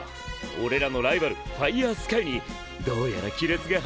俺らのライバルファイヤースカイにどうやら亀裂が入る感じ？